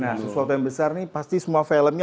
nah sesuatu yang besar nih pasti semua filmnya